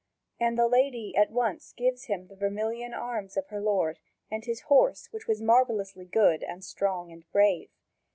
And the lady at once gives him the vermilion arms of her lord, and his horse which was marvellously good and strong and brave.